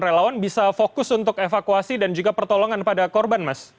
relawan bisa fokus untuk evakuasi dan juga pertolongan pada korban mas